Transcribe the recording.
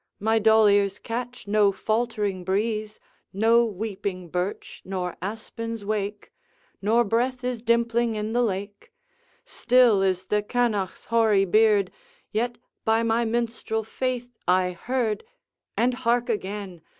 My dull ears catch no faltering breeze No weeping birch nor aspens wake, Nor breath is dimpling in the lake; Still is the canna's hoary beard, Yet, by my minstrel faith, I heard And hark again!